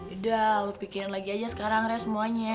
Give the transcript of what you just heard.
udah lo pikirin lagi aja sekarang re semuanya